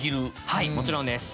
はいもちろんです。